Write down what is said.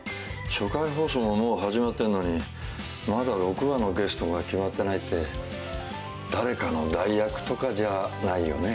初回放送がもう始まってんのにまだ６話のゲストが決まってないって誰かの代役とかじゃないよね？